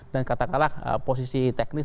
dan katakanlah posisi teknis